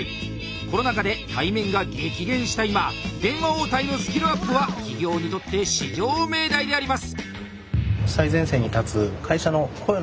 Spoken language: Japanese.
コロナ禍で対面が激減した今電話応対のスキルアップは企業にとって至上命題であります。